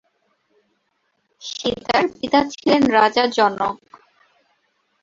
সীতার পিতা ছিলেন রাজা জনক।